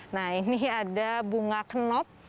nah ini ada bunga kenop